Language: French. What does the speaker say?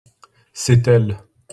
c'est elles.